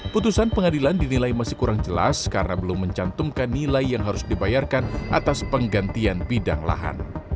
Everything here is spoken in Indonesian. putusan pengadilan dinilai masih kurang jelas karena belum mencantumkan nilai yang harus dibayarkan atas penggantian bidang lahan